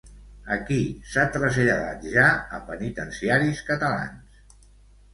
A qui s'ha traslladat ja a penitenciaris catalans?